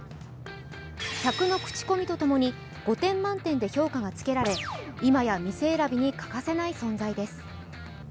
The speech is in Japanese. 客の口コミとともに、５点満点で評価がつけられ今や店選びに欠かせない存在です。